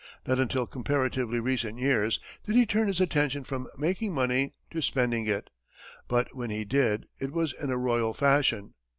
Not until comparatively recent years, did he turn his attention from making money to spending it, but when he did, it was in a royal fashion.